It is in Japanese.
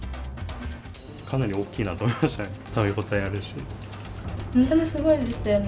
かなり大きいなと思いましたね。